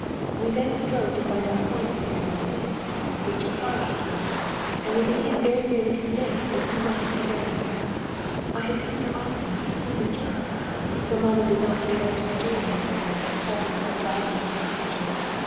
We then strove to find out points of his antecedents, Mr. Carlyle and I, and we became nearly convinced that he was the man. I had to come here often to see Mr. Carlyle, for mamma did not dare to stir in the affair, papa was so violent against Richard.